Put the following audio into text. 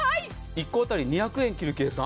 １個当たり２００円の計算？